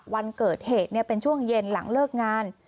วันเกิดเหตุเป็นช่วงเย็นหลังเลิกงาน